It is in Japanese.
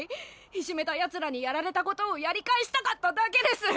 いじめたやつらにやられたことをやり返したかっただけです！